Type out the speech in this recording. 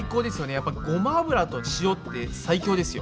やっぱごま油と塩って最強ですよ。